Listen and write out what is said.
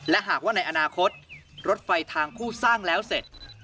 และหากว่าในอนาคตรถไฟทางคู่สร้างแล้วเสร็จ